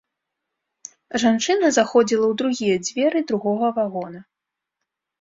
Жанчына заходзіла ў другія дзверы другога вагона.